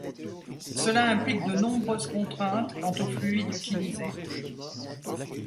Cela implique de nombreuses contraintes quant au fluide utilisé.